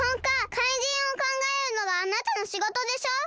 かいじんをかんがえるのがあなたのしごとでしょ！